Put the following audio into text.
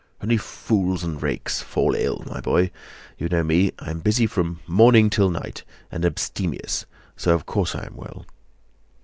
"Only fools and rakes fall ill, my boy. You know me: I am busy from morning till night and abstemious, so of course I am well."